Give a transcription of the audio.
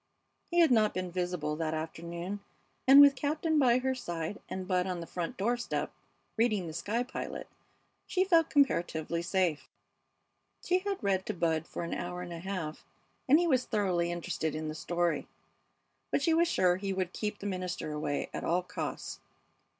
He had not been visible that afternoon, and with Captain by her side and Bud on the front door step reading The Sky Pilot she felt comparatively safe. She had read to Bud for an hour and a half, and he was thoroughly interested in the story; but she was sure he would keep the minister away at all costs.